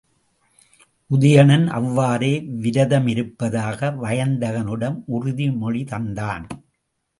உதயணன் அவ்வாறே விரதமிருப்பதாக வயந்தகனிடம் உறுதிமொழி தந்தான்.